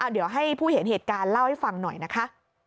เดี๋ยวให้ผู้เห็นเหตุการณ์เล่าให้ฟังหน่อยนะคะ